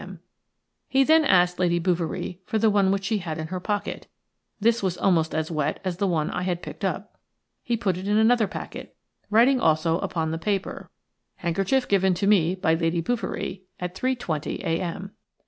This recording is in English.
m." He then asked Lady Bouverie for the one which she had in her pocket; this was almost as wet as the one I had picked up. He put it in another packet, writing also upon the paper:– "Handkerchief given to me by Lady Bouverie at 3.20 a.m."